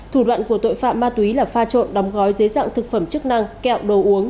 thủ đoạn của tội phạm ma túy là pha trộn đóng gói dưới dạng thực phẩm chức năng kẹo đồ uống